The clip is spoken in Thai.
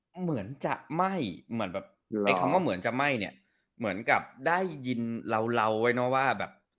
เหมือนจะไหม้เหมือนแบบไอ้คำว่าเหมือนจะไหม้เนี่ยเหมือนกับได้ยินเราไว้เนอะว่าแบบ